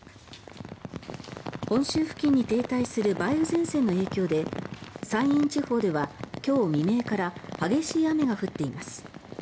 本州付近に停滞する梅雨前線の影響で山陰地方では今日未明から激しい雨が降っています。